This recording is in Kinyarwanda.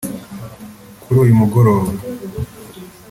Kuri uyu mugoroba